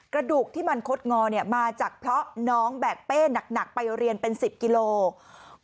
กระดูกที่มันคดงอมาจากเพราะน้องแบกเป้หนักไปเรียนเป็น๑๐กิโลกรัม